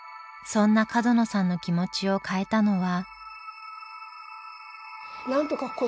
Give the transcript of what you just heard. そんな角野さんの気持ちを変えたのは。